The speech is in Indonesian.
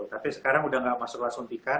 tapi sekarang udah nggak masalah suntikan